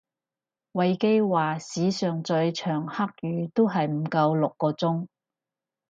維基話史上最長黑雨都係唔夠六個鐘